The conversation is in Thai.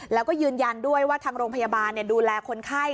แล้วก็ยืนยันด้วยว่าทางโรงพยาบาลดูแลคนไข้